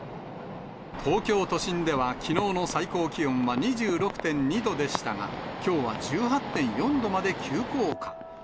東京都心ではきのうの最高気温は２６．２度でしたが、きょうは１８．４度まで急降下。